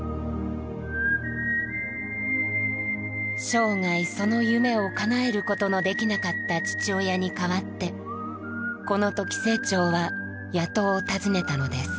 生涯その夢をかなえることのできなかった父親に代わってこの時清張は矢戸を訪ねたのです。